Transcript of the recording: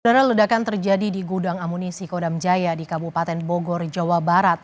dana ledakan terjadi di gudang amunisi kodam jaya di kabupaten bogor jawa barat